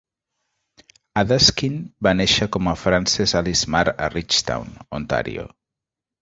Adaskin va néixer com a Frances Alice Marr a Ridgetown, Ontàrio.